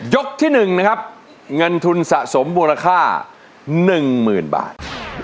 ที่๑นะครับเงินทุนสะสมมูลค่า๑๐๐๐บาท